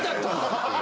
っていう。